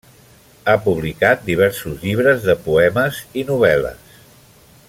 Ha publicat diversos llibres de poemes i novel·les.